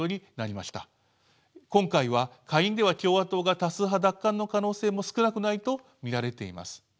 今回は下院では共和党が多数派奪還の可能性も少なくないと見られています。